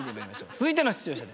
続いての出場者です。